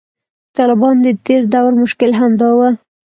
د طالبانو د تیر دور مشکل همدا و